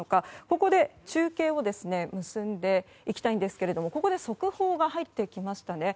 ここで中継を結んでいきたいんですがここで速報が入ってきましたね。